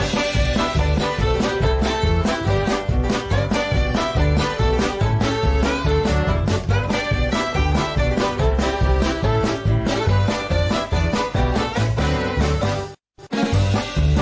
สวัสดีครับสวัสดีครับ